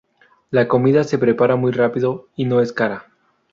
La comida se prepara muy rápido y no es cara.